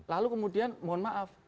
lalu kemudian mohon maaf